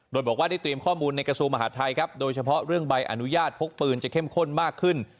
โดยบอกว่าได้เตรียมข้อมูลในกระทรวงมหาทัยครับโดยเฉพาะเรื่องใบอนุญาตพกปืนจะเข้มข้นมากขึ้น